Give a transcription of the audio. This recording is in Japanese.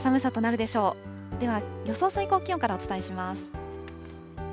では、予想最高気温からお伝えします。